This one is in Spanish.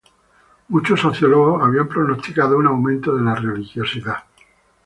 Muchos sociólogos habían pronosticado un aumento de la religiosidad.